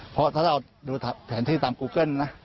เพราะถ้าเราดูแผนที่ตามกูเกิ้ลนะ